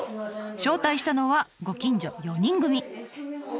招待したのはご近所４人組。